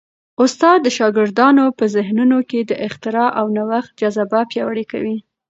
استاد د شاګردانو په ذهنونو کي د اختراع او نوښت جذبه پیاوړې کوي.